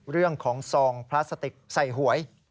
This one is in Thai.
เรื่องของทรงพลาสติกใส่หวย